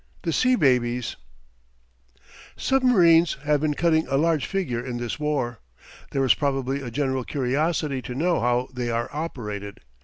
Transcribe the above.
THE SEA BABIES Submarines have been cutting a large figure in this war. There is probably a general curiosity to know how they are operated.